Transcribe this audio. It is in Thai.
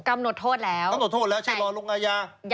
กำหนดโทษแล้วแต่ยังไม่ต้องเข้า